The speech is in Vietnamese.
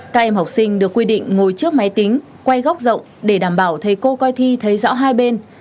các em học sinh được quy định ngồi trước máy tính quay góc rộng để đảm bảo thầy cô coi thi thấy rõ hai bên